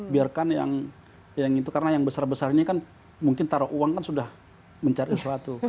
biarkan yang itu karena yang besar besarnya kan mungkin taruh uang kan sudah mencari sesuatu